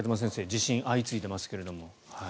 地震が相次いでいますけれど。